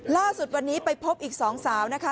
ล่าสุดวันนี้ไปพบอีก๒สาวนะคะ